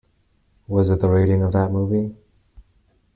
What is the rating of that movie?